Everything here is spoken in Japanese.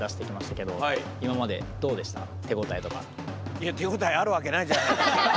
いや手応えあるわけないじゃないですか。